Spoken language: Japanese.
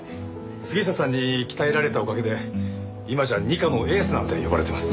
杉下さんに鍛えられたおかげで今じゃ「二課のエース」なんて呼ばれてます。